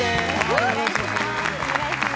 お願いします。